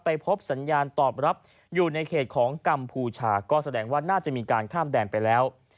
พบสัญญาณตอบรับอยู่ในเขตของกัมพูชาก็แสดงว่าน่าจะมีการข้ามแดนไปแล้ว